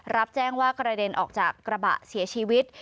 รับแจ้งว่ากระเด็นออกจากกระบะเสียชีวิต